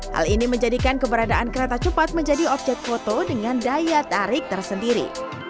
hal ini menjadikan keberadaan kereta cepat menjadi objek foto dengan daya tarik tersendiri